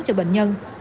cho bệnh nhân